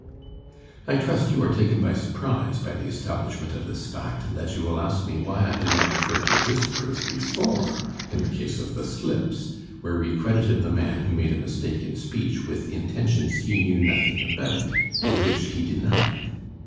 I trust you are taken by surprise by the establishment of this fact, and that you will ask me why I did not refer to this proof before in the case of the slips, where we credited the man who made a mistake in speech with intentions he knew nothing about and which he denied.